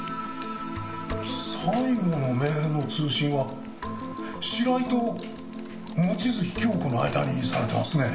最後のメールの通信は白井と望月京子の間にされてますね。